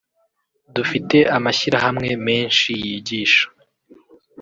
dufite amashyirahamwe menshi yigisha